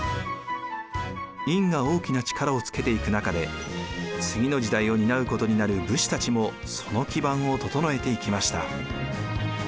院が大きな力をつけていく中で次の時代を担うことになる武士たちもその基盤を整えていきました。